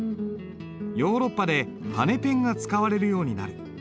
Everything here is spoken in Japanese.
ヨーロッパで羽ペンが使われるようになる。